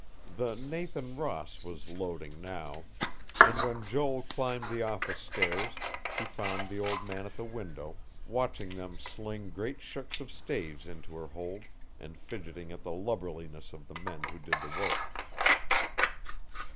The Nathan Ross was loading now; and when Joel climbed the office stairs, he found the old man at the window watching them sling great shooks of staves into her hold, and fidgeting at the lubberliness of the men who did the work.